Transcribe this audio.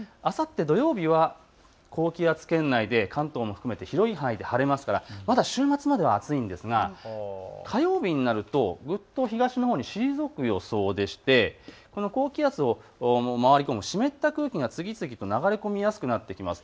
あさって土曜日は高気圧圏内で関東も含めて広い範囲で晴れますから、まだ週末までは暑いんですが、火曜日になるとどっと東のようにほうに退く予想で、高気圧を回り込む湿った空気が次々と流れ込みやすくなってきます。